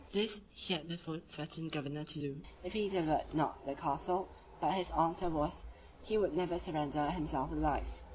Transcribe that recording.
This he had before threatened the governor to do, if he delivered not the castle: but his answer was, "he would never surrender himself alive."